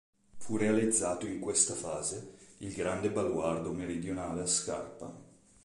Fu realizzato in questa fase il grande baluardo meridionale a scarpa.